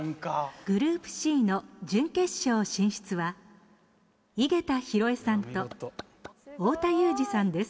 グループＣの準決勝進出は井桁弘恵さんと太田裕二さんです。